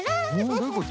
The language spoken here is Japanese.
どういうこと？